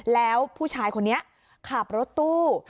แล้วผู้ชายคนนี้ขับรถตู้